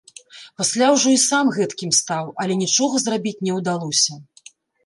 Пасля ўжо і сам гэткім стаў, але нічога зрабіць не ўдалося.